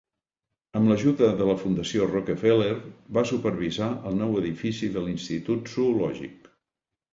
Amb l'ajuda de la Fundació Rockefeller, va supervisar el nou edifici de l'institut zoològic.